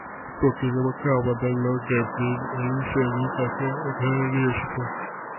প্রকৃতপক্ষে, আমাদের লোক ডেভলিন এই সেদিন তাকে এখানে নিয়ে এসেছে।